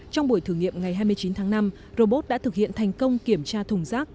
trong buổi thử nghiệm ngày hai mươi chín tháng năm robot đã thực hiện thành công kiểm tra thùng rác